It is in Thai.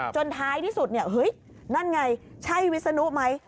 จนท้ายที่สุดนั่นไงใช่วิสนุกไหม